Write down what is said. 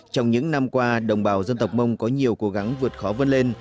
trong những năm qua đồng bào dân tộc mông có nhiều cố gắng vượt khó vươn lên